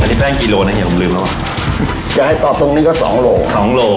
อันนี้แป้งกิโลนะเฮีผมลืมแล้วอ่ะจะให้ตอบตรงนี้ก็สองโลสองโล